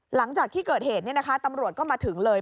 หลังจากที่เกิดเหตุตำรวจก็มาถึงเลย